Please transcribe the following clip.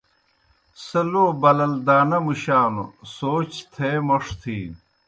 سہ لو بَلَلدانہ مُشانوْ سوچ تھے موْݜ تِھینوْ۔